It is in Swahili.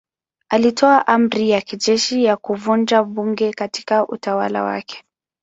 Alitoa amri ya kijeshi ya kuvunja bunge katika utawala wake.